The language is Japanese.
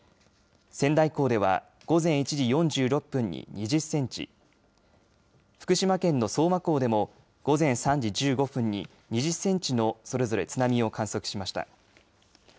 仙台港では午前１時４６分に２０センチ福島県の相馬港でも午前３時１５分に２０センチのそれぞれ津波を観測しました。